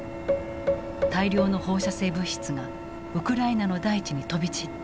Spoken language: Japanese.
大量の放射性物質がウクライナの大地に飛び散った。